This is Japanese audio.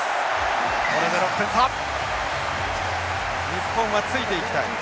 日本はついていきたい。